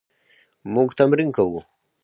موږ تمرین کوو